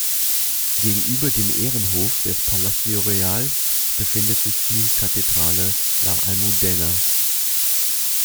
Gegenüber dem Ehrenhof des Palacio Real befindet sich die Kathedrale La Almudena.